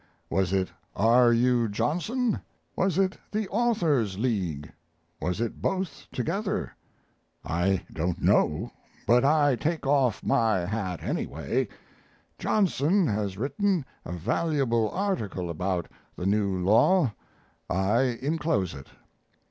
Was it R. U. Johnson? Was it the Authors' League? Was it both together? I don't know, but I take off my hat, anyway. Johnson has written a valuable article about the new law I inclose it.